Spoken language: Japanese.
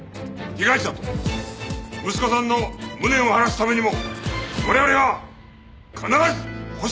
被害者と息子さんの無念を晴らすためにも我々は必ずホシを挙げる！